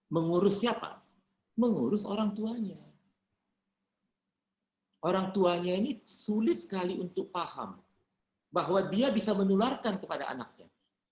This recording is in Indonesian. mengurus siapa mengurus orang tuanya orang tuanya ini sulit sekali untuk paham bahwa dia bisa menularkan kepada anaknya